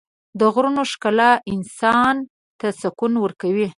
د غرونو ښکلا انسان ته سکون ورکوي.